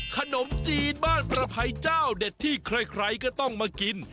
ขนมจีนบ้านประภัยเจ้าเด็ดที่ใครก็ต้องมากิน